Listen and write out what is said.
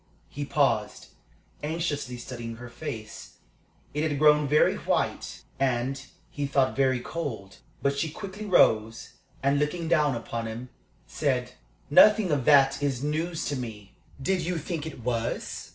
He paused, anxiously studying her face. It had grown very white, and, he thought, very cold. But she quickly rose, and, looking down upon him, said: "Nothing of that is news to me. Did you think it was?"